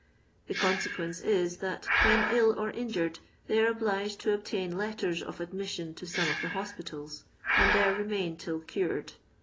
The consequence is that, when ill or injured, they are obliged to obtain letters of admission to some of the hospitals, and there remain till cured.